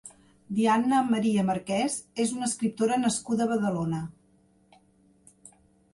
Dianna Maria Marquès és una escriptora nascuda a Badalona.